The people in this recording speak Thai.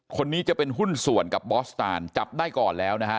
คนนี้จะเป็นหุ้นส่วนกับบอสตานจับได้ก่อนแล้วนะฮะ